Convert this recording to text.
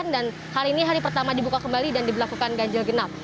dan hal ini hari pertama dibuka kembali dan diperlakukan ganjil genap